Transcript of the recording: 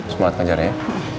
semangat ngajarnya ya